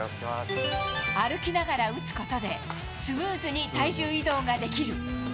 歩きながら打つことで、スムーズに体重移動ができる。